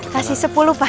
kasih sepuluh pak